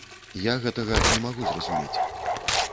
Я гэтага не магу зразумець.